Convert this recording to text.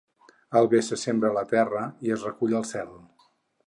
El bé se sembra a la terra i es recull al cel.